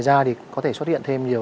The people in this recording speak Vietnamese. ngoài ra thì có thể xuất hiện thêm nhiều